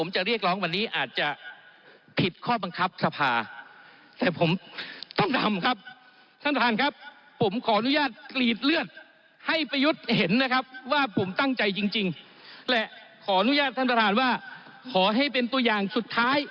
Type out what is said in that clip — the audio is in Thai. จริงก็ขออนุญาตท่านทหารว่าขอให้เป็นตัวอย่างสุดท้าย